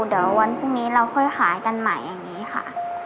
เดี๋ยววันพรุ่งนี้เราค่อยหายกันใหม่อย่างนี้ค่ะ